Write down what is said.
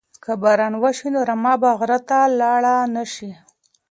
که باران وشي نو رمه به غره ته لاړه نشي.